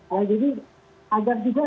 ya jadi agar juga